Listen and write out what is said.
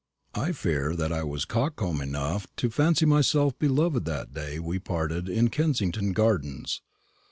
I fear that I was coxcomb enough to fancy myself beloved that day we parted in Kensington gardens.